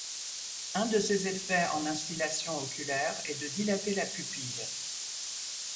Un de ses effets, en instillation oculaire, est de dilater la pupille.